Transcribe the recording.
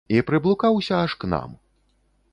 І прыблукаўся аж к нам.